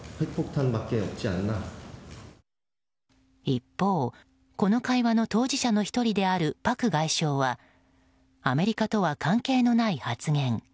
一方、この会話の当事者の１人であるパク外相はアメリカとは関係のない発言。